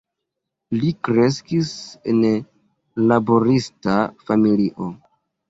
Li kreskis en laborista familio.